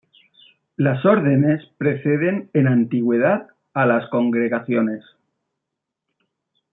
Las órdenes preceden en antigüedad a las congregaciones.